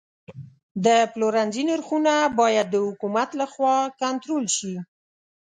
د پلورنځي نرخونه باید د حکومت لخوا کنټرول شي.